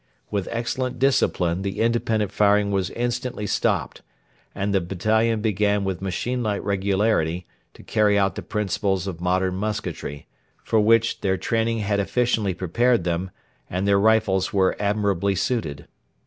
With excellent discipline the independent firing was instantly stopped, and the battalion began with machine like regularity to carry out the principles of modern musketry, for which their training had efficiently prepared them and their rifles were admirably suited.